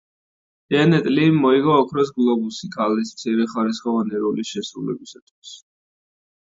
ჯენეტ ლიმ მოიგო ოქროს გლობუსი ქალის მეორეხარისხოვანი როლის შესრულებისთვის.